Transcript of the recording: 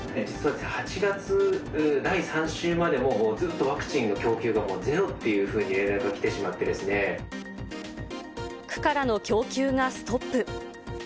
８月第３週までずっとワクチンの供給がゼロというふうに連絡が来区からの供給がストップ。